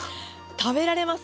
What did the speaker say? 食べられます？